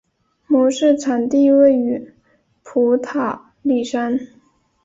模式产地位于普塔里山。